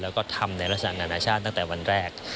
แล้วก็ทำในลักษณะนานาชาติตั้งแต่วันแรก